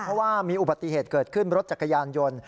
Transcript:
เพราะว่ามีอุบัติเหตุเกิดขึ้นรถจักรยานยนต์